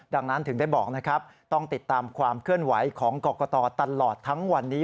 ดังนั้นถึงได้บอกนะครับต้องติดตามความเคลื่อนไหวของกรกตตลอดทั้งวันนี้